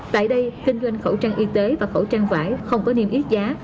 tại đây kinh doanh khẩu trang y tế và khẩu trang vải không có niêm yết giá